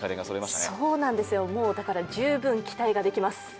そうなんですよ、だから十分期待ができます。